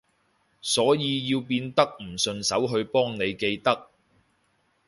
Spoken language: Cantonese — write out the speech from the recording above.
所以要變得唔順手去幫你記得